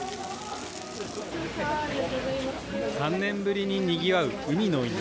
３年ぶりににぎわう海の家。